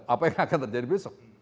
apa yang akan terjadi besok